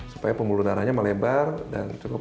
supaya pembuluh darahnya melebar dan cukup